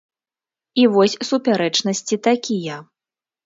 І вось супярэчнасці такія.